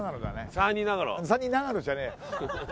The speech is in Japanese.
３人永野じゃねえ！